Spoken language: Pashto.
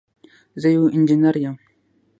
زه یو انجنير یم.